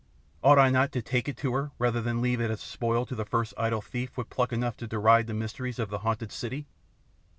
Ought I not to take it to her rather than leave it as spoil to the first idle thief with pluck enough to deride the mysteries of the haunted city?